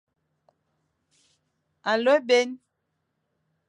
Alo ebyen,